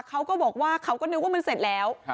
เขาก็บอกว่าเขาก็นึกว่ามันเสร็จแล้ว